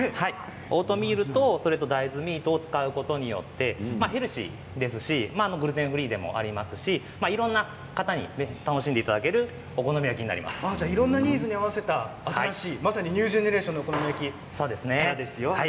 オートミールと大豆ミートを使うことによってヘルシーですしグルテンフリーでもありますしいろいろな方に楽しんでいただけるいろいろなニーズに合わせた新しい、まさにニュージェネレーションなお好み焼きいかがですか？